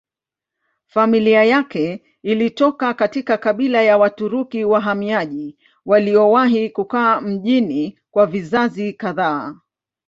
Familia yake ilitoka katika kabila ya Waturuki wahamiaji waliowahi kukaa mjini kwa vizazi kadhaa.